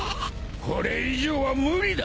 これ以上は無理だ。